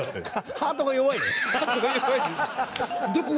ハートが弱いね。